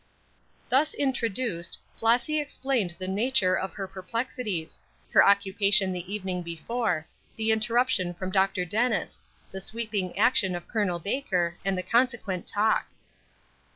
Thus introduced, Flossy explained the nature of her perplexities; her occupation the evening before; the interruption from Dr. Dennis; the sweeping action of Col. Baker, and the consequent talk.